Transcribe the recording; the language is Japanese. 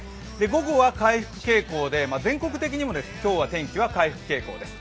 午後は回復傾向で全国的にも今日は天気は回復傾向です。